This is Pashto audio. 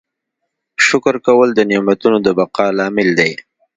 شکر کول د نعمتونو د بقا لامل دی.